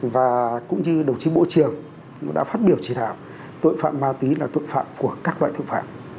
và cũng như đồng chí bộ trưởng đã phát biểu chỉ thảo tội phạm ma túy là tội phạm của các loại thượng phạm